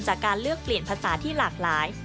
จากการเลือกเปลี่ยนภาษาที่หลากหลาย